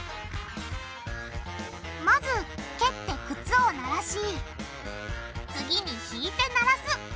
まず蹴って靴を鳴らし次に引いて鳴らす。